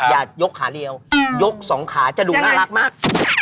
ยกขาเรียวยกสองขาจะดูน่ารักมาก